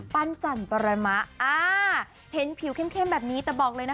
จันปรมะอ่าเห็นผิวเข้มแบบนี้แต่บอกเลยนะคะ